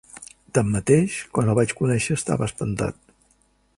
Tanmateix, quan el vaig conèixer estava espantat.